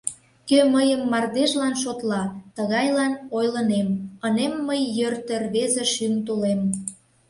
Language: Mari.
Кӧ мыйым мардежлан шотла, тыгайлан ойлынем: Ынем мый йӧртӧ рвезе шӱм тулем!